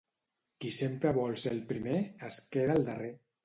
Qui sempre vol ser el primer, es queda el darrer.